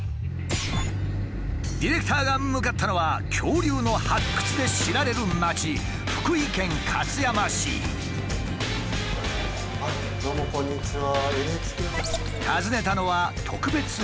ディレクターが向かったのは恐竜の発掘で知られる町どうもこんにちは。